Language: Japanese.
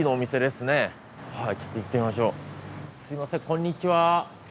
すみませんこんにちは。